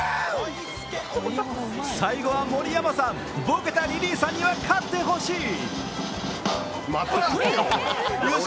最後は盛山さんボケたリリーさんには勝ってほしい。